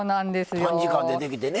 短時間でできてね。